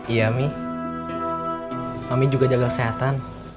iya mih mami juga jaga kesehatan